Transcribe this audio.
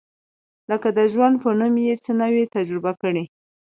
لکه د ژوند په نوم یې څه نه وي تجربه کړي.